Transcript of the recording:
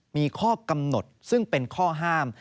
มีข้อกำหนดซึ่งเป็นข้อห้าม